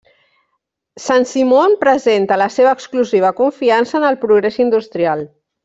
Saint-Simon presenta la seva exclusiva confiança en el progrés industrial.